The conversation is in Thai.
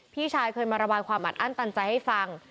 พี่ชายเคยมาระบายความอัดอั้นตันใจให้ฟัง